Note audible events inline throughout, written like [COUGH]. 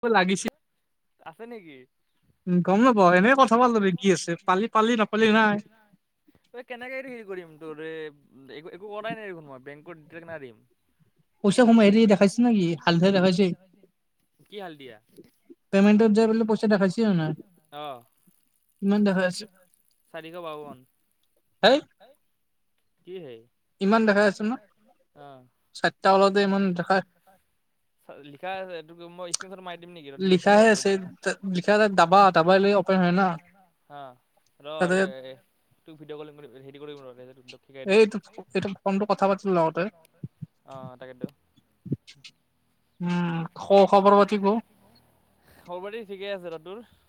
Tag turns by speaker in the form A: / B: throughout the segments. A: কত লাগিলে
B: আছে নেকি
A: উম গম নাপাওঁ এনেই পথা পা লবি কি আছে পালি পালি নাপালি নাই
B: অই কেনেকে এইটো হেৰি কৰিম তোৰ একো কৰাই নাই দেখোন মই বেংকৰ ডিটেইলছ নাই দেখোন
A: [UNINTELLIGIBLE]
B: [UNINTELLIGIBLE] কি হাল দিয়া? অঁ চাৰিশ বাৱন্ন। হেই, কি হেই? ইমান দেখাই আছে ন? অঁ। [UNINTELLIGIBLE] লিখা আছে তোক মই স্ক্ৰীণশ্বট মাৰি দিম নেকি ৰ দি আছো ৰ। হা। ৰ' ৰ' এ তোক ভিডিঅ' কলিং হেৰি কৰিম ৰ শিকাই দিবি। অঁ তাকেটো।
A: উম।
B: খবৰ পাতি ঠিকেই আছে আৰু। তোৰ?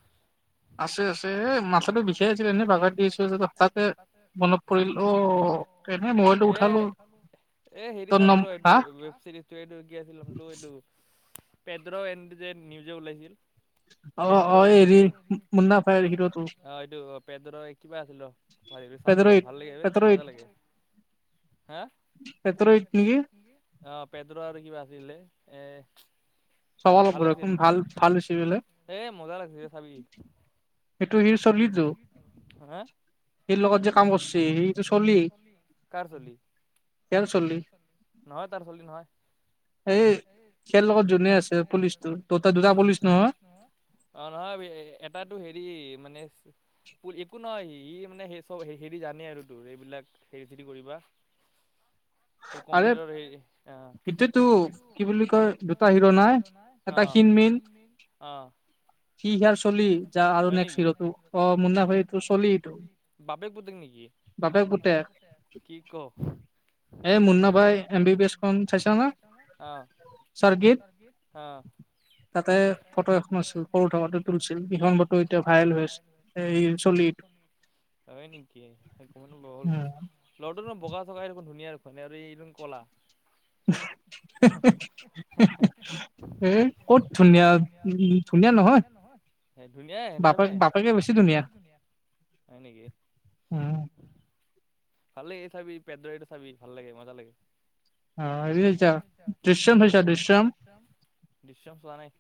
A: আছে আছে এই মাথাটো বিষায় আছিল এনেই বাগৰ দি আছিলো হঠাৎতে মনত পৰিল অঁ এনেই মোবাইলটো উঠালো।
B: এ হেৰি চালো ৰ' এইটো ৱেব চিৰিজটো এইটো কি আছিল নামতো এইটো পেড্ৰ' এন যে নিউজে ওলাইছিল পেড্ৰ' এন অ এইটো পেড্ৰ'ৰ কিবা আছিল ৰ' চালো ৰ' ভাল লাগে এই মজা লাগে। হে? অ পেড্ৰ আৰু কিবা আছিলে এ অ ভাল লাগিছিল এ মজা লাগিছিল চাবি হা? তোৰ লগত যে কাম কৰিছে ছোৱালী। কাৰ ছোৱালী? নহয় তাৰ ছোৱালী নহয়।
A: এই খেল লগত যোনে আছে পুলিচটো টোটেল দুটা পুলিচ ন?
B: অঁ নহয় এটাটো হেৰি মানে একো নহয় সি মানে সেই চব হেৰি জানে আৰু তোৰ এইবিলাক হেৰি চেৰি কৰিবা
A: [INAUDIBLE]
B: তোৰ কম্পিউটাৰ হেৰি আহ। [UNINTELLIGIBLE] আঁহ আঁহ। হয় নেকি? বাপেক পুতেক নেকি? বাপেক পুতেক। কি কও এই মুন্না ভাই এম বি বি এছখন চাইছ ন? অঁ। [UNINTELLIGIBLE] অঁ। তাতে ফটো এখন আছে
A: তুলিছিল সেইখন ফটো এতিয়া ভাইৰেল হৈ আছে এই চল্লিৰ।
B: হয় নেকি? ল'ৰাটো ন বগা চগা এই দেখোন ধুনীয়া আৰু এই দেখোন কলা।
A: [INAUDIBLE]
B: ক'তনো ধুনীয়া ধুনীয়া নহয়। ধুনীয়াই হেণ্ডচামে। বাপেকে বেছি ধুনীয়া। হয় নেকি? ভাল লাগে চাবি পেড্ৰ সেইটো চাবি ভাল লাগে মজা লাগে। দৃশ্যম চাইছো দৃশ্যম? দৃশ্যম চোৱা নাই।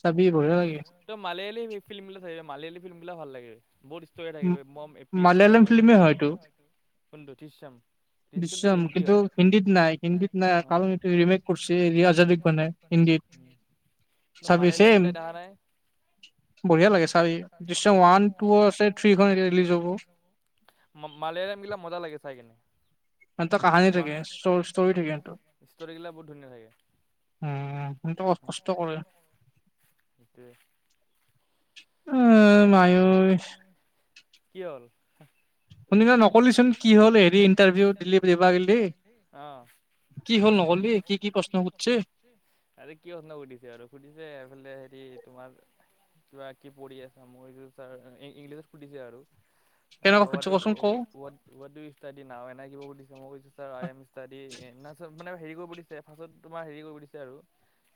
A: চাবি বঢ়িয়া লাগি গৈছে।
B: ত' মালীয়ালি ফিল্মবিলাক চাবি মালীয়ালি ফিল্মবিলাক ভাল লাগে। বহুত ষ্টৰী থাকে বে বম এপিক ষ্টৰী থাকে। মালায়ালাম ফ্লিম হয় এইটো। কোনটো দৃশ্যম?
A: বিশম কিন্তু হিন্দীত নাই হিন্দীত নাই কাৰণ এইটো ৰিমেক কৰিছে ৰিজাদনে হিন্দীত। [INAUDIBLE]
B: মালিয়াম গিলা দেখা নাই। মালিয়াম গিলাক মজা লাগে চাই কিনে। তোমাৰ, স্তৰী বিলাক বৰ- ধুনীয়া থাকে সেইটোৱে।
A: উম মায় ঐ।
B: কি হ'ল? কুনিবা নকলিচোন কি হল হেৰি ইটাৰভিউ দিলে এবাৰ দেই, অ।
A: কি হ'ল নকিলি কি কি প্ৰশ্ন সুধছে।
B: আৰু কি ঘটনা সুধিছে আৰু সুধিছে এইফালে হেৰি তোমাৰ- কিবা কি পঢ়ি আছা মই বোলো ছাৰ ইংলিছত সুধিছে আৰু, অ হোৱাত দো হোৱাত দো ইউ ষ্টাডী নাও এনে কিব সুধিছে মই কৈছো- ছাৰ আই এম ষ্টাডী না ছাৰ মানে হেৰি কৰিব দিছে ফাৰ্ষ্টত তোমাৰ হেৰি কৰিব দিছে আৰু।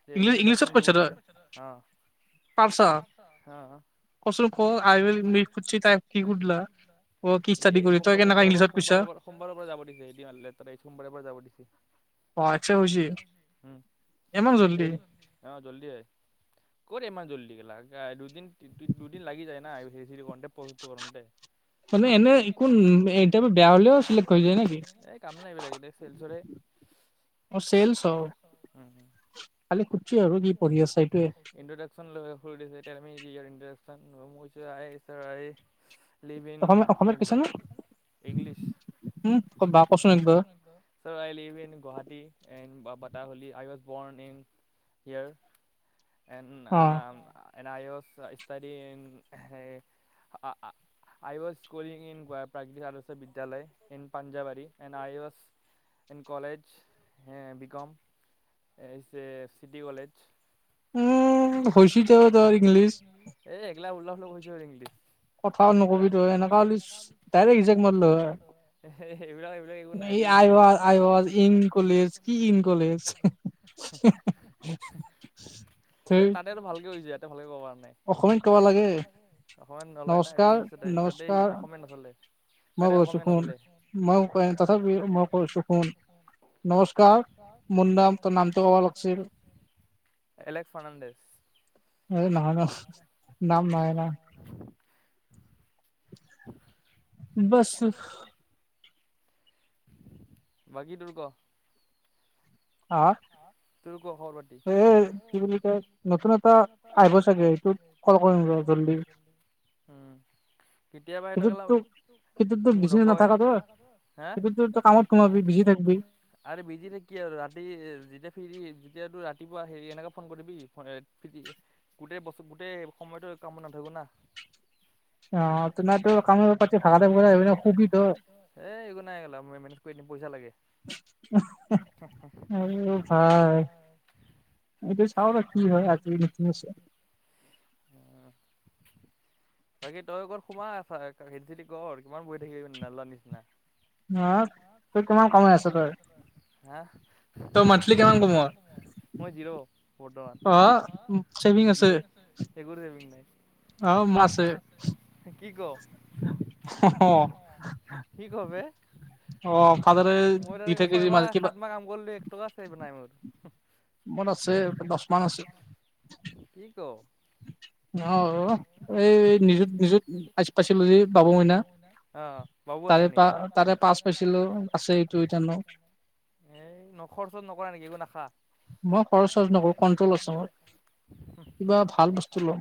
B: যে ইনট্ৰডাকচন দিব দিছে অ' [UNINTELLIGIBLE] সোমবাৰ সোমবৰ পৰা সোমবৰ সোমবাৰৰ পৰা যাব দিছে এদিন ত সোমবৰ পৰা যাব দিছে।
A: [UNINTELLIGIBLE]
B: উম হেৰি অ জল্দি হয়। ক'ত ইমান জল্দি কেলা দুদিন দুদিন লাগি যায় না হেৰি কৰোঁতে প্ৰস্তুত কৰোঁতে।
A: মানে এনে একো ইন্টাৰভিউ বেয়া হলেও চিলেক্ট হৈ যায় নেকি? অ চেলছ, খালি সুধছে আৰু কি পঢ়ি আছা সেইটোৱে।
B: [UNINTELLIGIBLE] Live in English. Sir' I live in Guwahati and বটাহ হলি I was born in, here and আৰ- and I was study in হে uh uh, I was calling in Goa প্ৰাকৃতিক আদৰ্শ বিশ্ববিদ্যালয় in Panjabari and I was - and college হে B com. S A city college.
A: উম হৈছে তৰ ত ইংলিছ।
B: এই এইগিলা ওলতা পোলতা কৈছে ইংলিছ। তই, সেইবিলাক সেইবিলাক একো নাই English.
A: I was in college, কি ইন কলেজ?
B: এই তাতেতো ভালকে হৈছে ইয়াতে ভালকে ক'ব পৰা নাই। অসমীয়া ক'ব লাগে, অসমীয়াত নলয় না ইংলিছতে তাতে অসমীয়া নচলে।
A: মাই কছোচ শুন, মই কম তথাপিও মই কচো শুন। নমস্কাৰ মোৰ নাম তোনান্ত ৱাকচিৰ। এই নহব নাম নাই নাই। [UNINTELLIGIBLE]
B: বাকী তোৰ ক?
A: অ'।
B: তোৰ ক খবৰ পাতি?
A: কি বুলি কয় নতুন এটা আহিব চাগে সেইটো কল কৰিম জল্দি।
B: উম, কেতিয়াবা ইটো কেলা- মোক নকয় হা। আৰু বিজি ন কি আৰু ৰা যেতিয়া ফি যেতিয়া তোৰ ৰাতিপুৱা হেৰি এনেকে ফোন কৰিবিবি ফ গোটেই বছৰ গোটেই সময়তো কামটো নাথাকো না।
A: অ', নাই ত কাম প খুবো। [UNINTELLIGIBLE]
B: এই একো নাই গ'ল মই মেনেজ কৰি দিম পইচা লাগে।
A: ভাই এইটো চাও বা কি হয় আজিৰ মিটিং আছে। [INAUDIBLE]
B: বাকী তই অকত সোমাই আছ হ যদি কৰ কিমান বহী থাকিবি নোৱাৰ নিচিনা। কিমান কমাই আছ হা। মই জিৰ' বৰ্তমান জিৰ'। একো [UNINTELLIGIBLE] নাই।
A: অ মাছে
B: কি ক কি ক বে। মইলে ছয় মাহ সাত মাহ কাম কৰিলোঁ একো আছে ব নাই মোৰ কি ক।
A: অ এই নিজুত নিজুত আ পাইছিলোঁ যে বাবু মইনা।
B: অ বাবু আছনি। এই ন খৰচত নকৰা নেকি একো নাখাত ন।
A: কিবা ভাল বস্তু লম।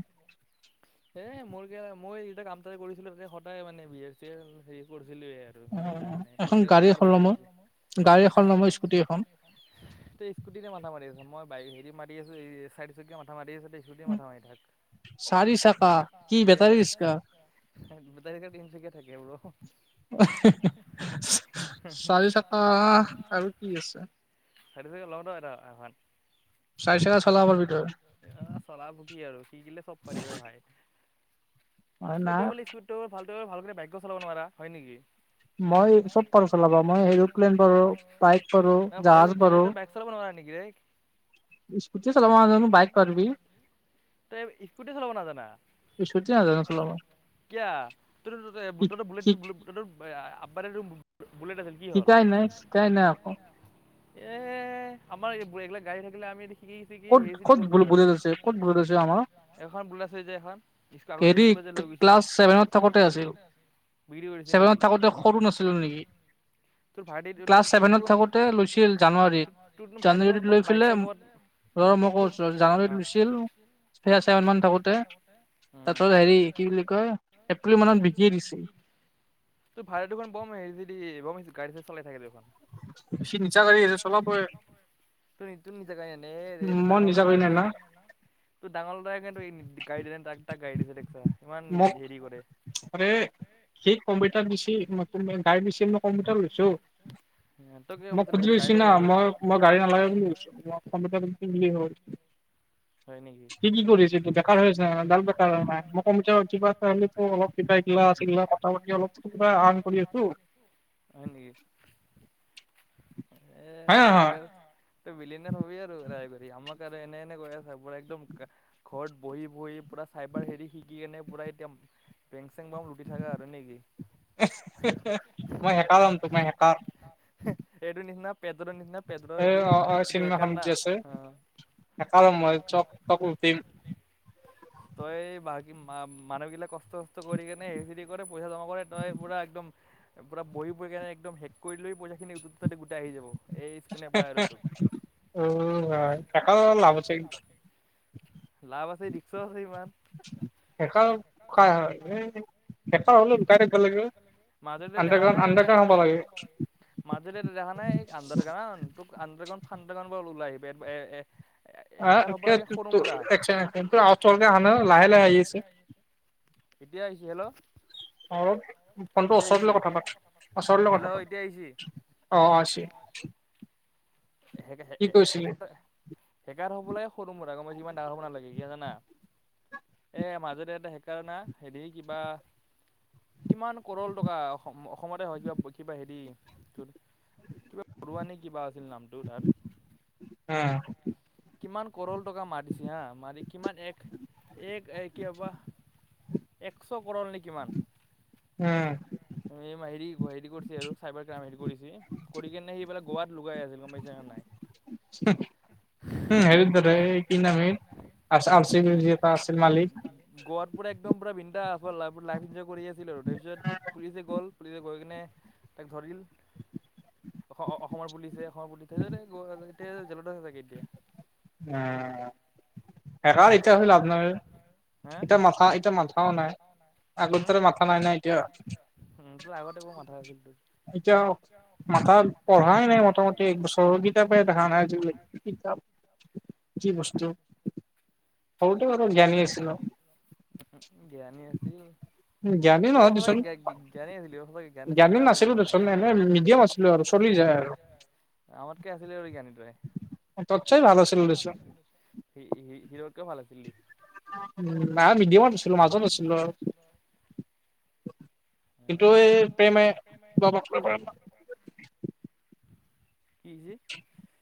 B: এ মোৰ ক মই যেতিয়া কাম তটা কৰিছিলো তাকে সদায় মানে বি এ চি এ হেৰি কৰিছিলো। এইবিলাক বেয়াৰ কৈ থৈ গ'ল। ত স্কুটিতে মাথা মাৰি আছ মই বাইক হেৰি মাৰি আছো এই চাইড চুক মাথা মাৰি আছছে দেই। স্কুটিতে মাথা মাৰি থাক।
A: চাৰি চকা কি বেটাৰী ৰিক্সা।
B: বেটেৰী ৰিস্কা তিনচুকিয়া থাকে অহ।
A: চাৰি চকা আৰু কি আছে?
B: চাৰি চকা লৈ ললেও হয় এখন
A: চাৰি চকা চলাবাৰ ভিতৰত
B: এ চলা ভকি আৰু কিযাও শিকিলে চব পাৰিবে ভাই তই বোলে স্কট তই ভালকে বাইকখন চলাব নোৱাৰা হয় নেকি। ভাল বাইক চলাব নোৱাৰা নেকি দেই।
A: স্কুটি চলাব নাজানো বাইক পাৰবি।
B: স্কুটি চলাব নাজানা কিয় ত বুলেট ব। আ্বাৰ বুল আছিল কি হল। এ আমাৰ এইবোৰ এইগিলাক গাড়ী থাকিলে আমি শিকি কি হেৰি চি কৰিলো হয়।
A: ক'ত গোট আছে আমাৰ?
B: এখন স্কুল আছে যে এখন স্কুল যে লৈ গৈছিল ক্লাছ ছেভেন অত থাকোঁতে। বিক্ৰী কৰিছে নেকি? তোৰ ভাইটি তোৰ দেখ তোৰ ভাইটি গম পাইচে কত তোৰ হা
A: এয়াৰ চেয়াৰমেন থাকোতে তাতত হেৰি কি বুলি কয় এপ্ৰিল মানত বিকিয়ে দিছিল।
B: তোৰ ভাডা দু দেখখন বম যদি বমি গড়ী চলাই থাকে দেখখন।
A: সি মিছা গাড়ী এইটো চলাবই।
B: তু তোৰ নিজ কাইনে এইটো ডাঙৰ লৰা কেনে তোৰ ডাঙৰ ল'ৰা ইৰেণ্ডৰিন দি গাড়ী দিলে তাক তাক গাড়ী দিছে দেখিছা ইমান হেৰি কৰে
A: সেই কম্পিউটাৰ দিচি তুমি গাইচি মই কম্পিউটাৰ লৈছো মই খুজি লৈছি না মই মই গাড়ী নালাগে বুলি ভাবিছো মই সি কি কৰিছে এইটো বেকাৰ হৈছা ডাল বেকাৰ হয় নাই মই ক কিবা এটালে অলপ কিবা এইগিলা ছেগলা কথা পাতি অলপ কিবা আন কৰি আছো
B: হয় নেকি এ তোমাৰ চাইকেল ত বিলিঅনাৰ হবি আৰু ৰাই কৰি আমাক আৰু এনে এনে গৈ আ তাৰপৰা একদম কা ঘৰত বহি বহি পুৰা চাইবাৰ হেৰি শিকি কেনে পুৰা এতিয়াম বেং চেং বাও লুটি থাকা আৰু নেকি
A: মই হেকাৰ লম তোমাৰ হেকাৰ
B: হেহ এইটো নিচিনা পেদৰৰ নিচিনা পেদৰ এইটো এইটো হেকাৰ না অ
A: হেকাৰ হম মই চব চপ লোতিম
B: তই বাকী মা মা মানুহ গিলাক কচ কষ্ট কৰি কেনে হেৰি কৰে পইচা জমা কৰে তই পুৰা একদম পূৰা বহি বহি আৰু একদম হেক কৰি লই পইচাখিনি টোৰ তাতে গোটাই আহ যাব
A: হেহ উম আই হেকাৰৰ লাভ আছে
B: লাভ আছে ৰিক্সু আছে ইমান
A: হেকাৰ খাই হয় এই হেকাৰ হলে লুকাই থাকিব লাগে আণ্ডাৰগ্ৰাম আণ্ডাৰগ্ৰাৰ হব লাগে
B: মাজুলী দেখা নাই এই আডাৰগ্ৰউন তোক আাৰ ফউ ব ওলাই আহিবি এ এ হেকাৰ হব লাগে সৰু মুৰা এতিয়া আহিছে হেল্ল'
A: অ ফোনটো ওচৰলৈ কথা পাত ওচৰলৈ কথা পাত অ অ আচি
B: হে হে হে হেকাৰ হেকাৰ হবলে সৰু মূৰা ইমান ডাঙৰ হ'ব নালাগে কিয় জানা এ মাজতে এতে হেকাৰ না হেৰি কিবা কিমান কৰল টকা অস অসমতে হয় কিবা কিবা হেৰি কিবা বৰুৱা নে কিবা আছিল নামটো তাৰ
A: আ
B: কিমান কৰল টকা মাৰতিছে হা মাৰি কিমান এক এক এক কেয়াবা একছ কৰল নে কিমান এইম হেৰি হেৰি কৰিছে আৰু চাইবাৰ ক্ৰাইম হেৰি কৰিছে কৰি কিনে সি বোলে গুৱাত লুকাই আছিল গম পাইছা নে নাই
A: হুহ উম হেৰিত কি নমি আলচ বি এটা আছিল মালিক
B: গোৱাত পুৰা একদম পুৰা বিন্দা আ লাইফ এনজয় কৰি আছিল আৰু তাৰপিছত পুলিচে গ'ল পুলিচে গৈ কিনে তাক ধৰিল অ অসমৰ পুলিচে ঘ বুলি থ এ জেলতছে চাগে এতিয়া
A: আহ হেকাৰ এতিয়া হৈ লাভ নাই এতিয়া মাথা এতিয়া মাথাও নাই আগৰ দৰে মাথা নাই ন এতিয়া
B: উম তোৰ আগতে বৌ মাথা আছিল তোৰ এতিয়া মথা পঢ়াই ন মোটামুটি কিতাপে দেখা নাই
A: কি বস্তু সৰুতেও আৰু জ্ঞানী আছিলো
B: উ জ্ঞানী আছিল ত প্ৰথমতে গে গ জ্ঞানী আছিলি সঁচাকে জ্ঞানী চোকা আছিল পোৰা আমাতকে আছিলে আৰু জ্ঞানী তই
A: তহটটছই ভাল আছিলো দেচোন
B: হি হি হিৰতকেও ভাল আছিল দি
A: উম না মিডিয়ামত আছিলো মাজত আছিলো আৰু কিন্তু এই প্ৰেমে কিবা বস পাৰে
B: কি যে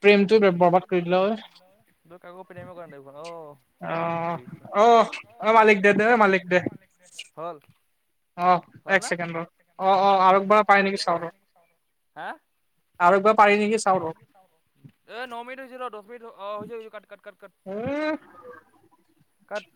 A: প্ৰেমটো বৰবাদ কৰি দিলে অই
B: তই কাকো প্ৰেম অ কৰা নাই দেখোন অ
A: অ আহ অ মালিক দে দে অ মালিক দে
B: হল হ'ল না এক অ অ প নেকি হা আৰু একবাৰ পাৰি নেকি চাও ৰ। অ ন মিনিট হৈছে ৰ দশ মিনিট অ হৈছে হৈছে কাট কাট
A: [UNINTELLIGIBLE]
B: কাট